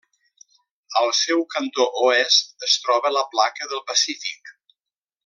Al seu cantó oest es troba la placa del Pacífic.